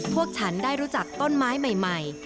พวกฉันได้รู้จักต้นไม้ใหม่